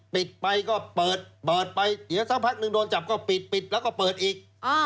ปิดไปก็เปิดเปิดไปเดี๋ยวสักพักนึงโดนจับก็ปิดปิดแล้วก็เปิดอีก